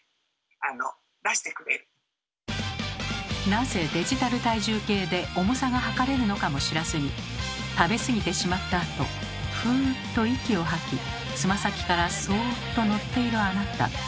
なぜデジタル体重計で重さがはかれるのかも知らずに食べ過ぎてしまったあとふっと息を吐きつま先からそっと乗っているあなた。